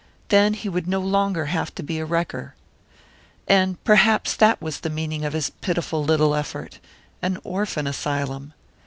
Then he would no longer have to be a wrecker! And perhaps that was the meaning of his pitiful little effort an orphan asylum!